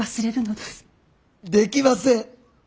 できません。